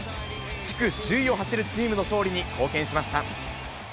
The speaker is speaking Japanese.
地区首位を走るチームの勝利に貢献しました。